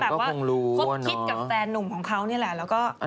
แล้วก็แบบว่าคุกคิดกับแฟนนุ่มของเขานี่แหละแล้วก็เข้าไป